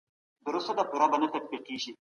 اقتصادي خپلواکي د ملي عزت نښه ده.